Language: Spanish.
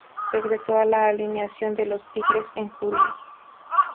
Regresó a la alineación de los Tigres en julio.